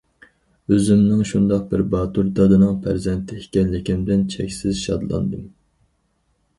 ئۆزۈمنىڭ شۇنداق بىر باتۇر دادىنىڭ پەرزەنتى ئىكەنلىكىمدىن چەكسىز شادلاندىم.